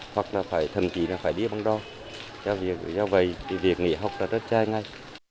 hoặc là thậm chí là phải đi bằng đo do vậy thì việc nghỉ học là rất chai ngay